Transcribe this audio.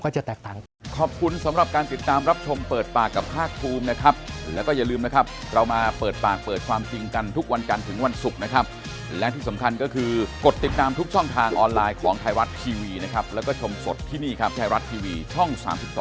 จุดทศพรกับผมก็จะแตกต่าง